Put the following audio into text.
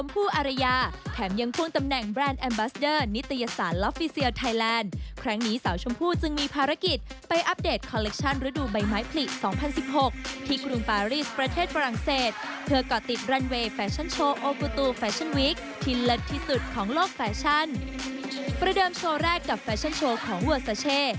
ประเดิมโชว์แรกกับแฟชั่นโชว์ของเวอร์ซาเช่